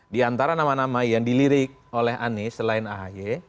di antara nama nama yang dilirik oleh anies selain ahy